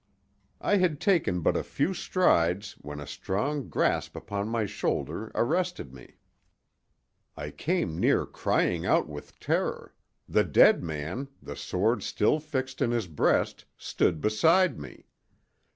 I had taken but a few strides when a strong grasp upon my shoulder arrested me. I came near crying out with terror: the dead man, the sword still fixed in his breast, stood beside me!